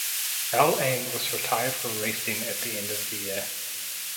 Al Ain was retired from racing at the end of the year.